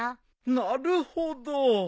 なるほど。